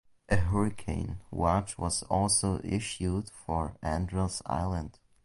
A hurricane watch was also issued for Andros Island.